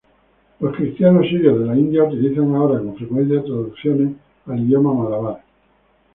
Los cristianos sirios de la India utilizan ahora con frecuencia traducciones al idioma malabar.